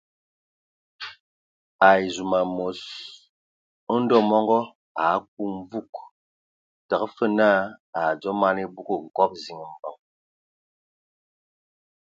Ai zum amos Ndɔ mɔngɔ a aku mvug, təga fəg naa a dzo man ebug nkɔbɔ ziŋ mbəŋ.